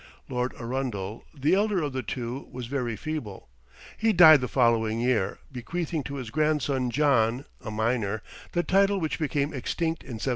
Lord Arundel, the elder of the two, was very feeble. He died the following year, bequeathing to his grandson John, a minor, the title which became extinct in 1768.